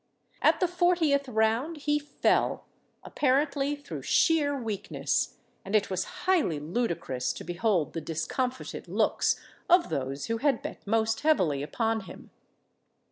At the fortieth round he fell, apparently through sheer weakness; and it was highly ludicrous to behold the discomfited looks of those who had bet most heavily upon him.